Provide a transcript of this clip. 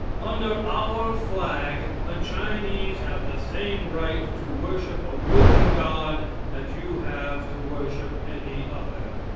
Under our flag the Chinese have the same right to worship a wooden god that you have to worship any other.